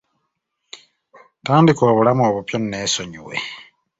Tandika obulamu obupya oneesonyiwe.